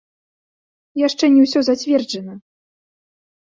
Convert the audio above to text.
Яшчэ не ўсё зацверджана.